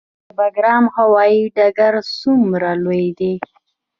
د بګرام هوايي ډګر څومره لوی دی؟